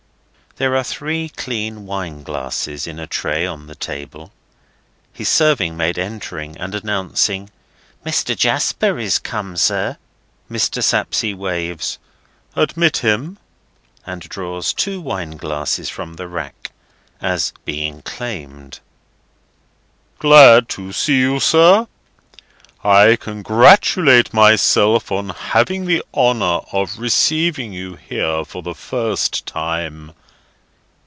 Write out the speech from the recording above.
There are three clean wineglasses in a tray on the table. His serving maid entering, and announcing "Mr. Jasper is come, sir," Mr. Sapsea waves "Admit him," and draws two wineglasses from the rank, as being claimed. "Glad to see you, sir. I congratulate myself on having the honour of receiving you here for the first time."